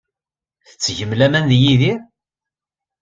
Tettgem laman deg Yidir.